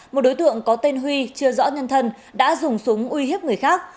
một đối tượng có tên huy chưa rõ nhân thân đã dùng súng uy hiếp người khác